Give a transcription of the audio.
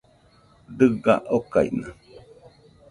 Dɨga okaina.